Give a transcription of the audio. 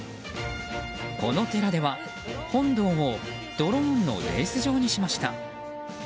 この寺では本堂をドローンのレース場にしました。